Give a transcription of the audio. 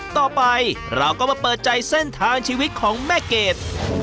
ต่อไปเราก็มาเปิดใจเส้นทางชีวิตของแม่เกด